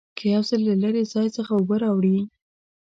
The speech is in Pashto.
که یو ځل له لرې ځای څخه اوبه راوړې.